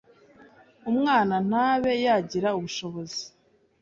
umwana ntabe yagira ubushobozi